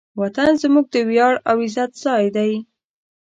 وطن زموږ د ویاړ او عزت ځای دی.